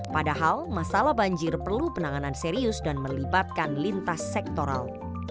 padahal masalah banjir perlu penanganan serius dan melibatkan lintas sektoral